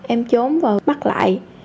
em trốn và bắt lại